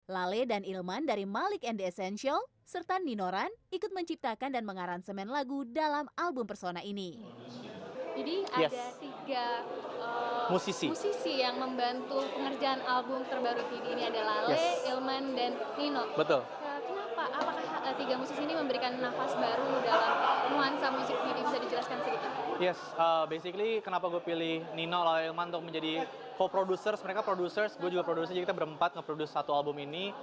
lale dan ilman dari malik and the essential serta nino ran ikut menciptakan dan mengaransemen lagu dalam album persona ini